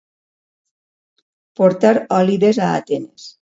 Portar òlibes a Atenes.